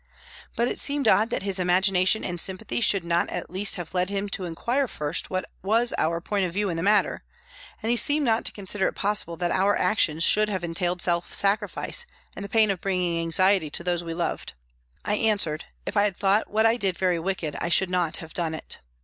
But it seemed odd that his imagination and sympathy should not at least have led him to inquire first what was our point of view in the matter, and he seemed not to consider it possible that our actions should have entailed self sacrifice and the pain of bringing anxiety to those we loved. I answered :" If I had thought what I did very wicked, I should not have done it."